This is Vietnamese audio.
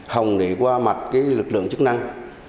hồng để qua mặt lực lượng chức năng